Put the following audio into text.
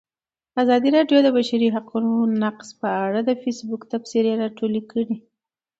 ازادي راډیو د د بشري حقونو نقض په اړه د فیسبوک تبصرې راټولې کړي.